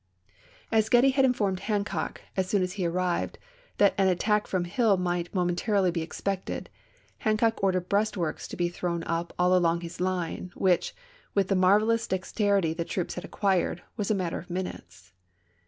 As Getty had informed Hancock, as soon as he arrived, that an attack from Hill might momentarily be ex pected, Hancock ordered breastworks to be thrown up all along his line, which, with the marvelous dex terity the troops had acquired, was a matter of min utes.